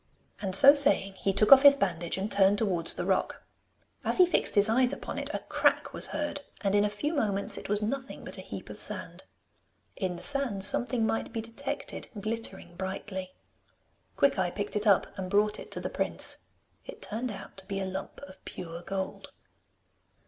And so saying he took off his bandage and turned towards the rock. As he fixed his eyes upon it a crack was heard, and in a few moments it was nothing but a heap of sand. In the sand something might be detected glittering brightly. Quickeye picked it up and brought it to the prince. It turned out to be a lump of pure gold.